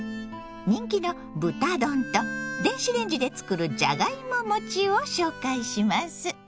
人気の豚丼と電子レンジでつくるじゃがいも餅を紹介します。